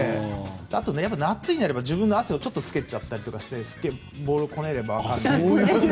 あと、夏になれば自分の汗をつけたりしてボールをこねれば。